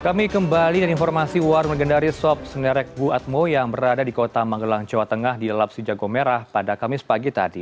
kami kembali dengan informasi warung legendaris sob sinerik buatmo yang berada di kota manggelang jawa tengah di lapsi jagomera pada kamis pagi tadi